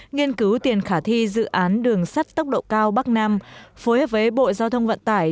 nghiên cứu tiền khả thi dự án đường sắt tốc độ cao bắc nam phối hợp với bộ giao thông vận tải